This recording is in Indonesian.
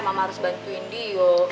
mama harus bantuin dio